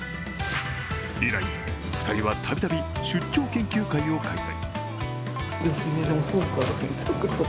以来、２人はたびたび出張研究会を開催。